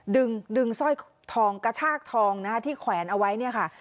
ดึงดึงสร้อยทองกระชากทองนะคะที่แขวนเอาไว้เนี่ยค่ะ